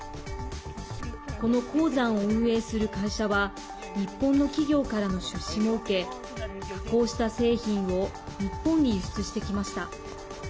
この鉱山を運営する会社は日本の企業からの出資も受け加工した製品を日本に輸出してきました。